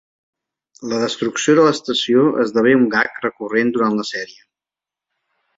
La destrucció de l'estació esdevé un gag recurrent durant la sèrie.